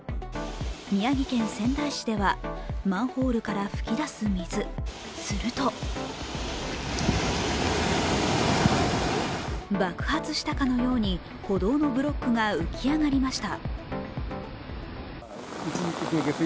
宮城県仙台市ではマンホールから噴き出す水、すると爆発したかのように歩道のブロックが浮き上がりました。